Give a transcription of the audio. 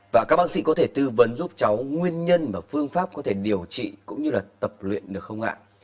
và các bác sĩ có thể tư vấn giúp cháu nguyên nhân và phương pháp có thể điều trị cũng như là tập luyện được không ạ